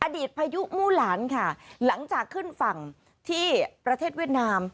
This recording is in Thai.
พายุมู่หลานค่ะหลังจากขึ้นฝั่งที่ประเทศเวียดนาม